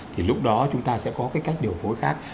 thì lúc đó chúng ta sẽ có cái cách điều phối khác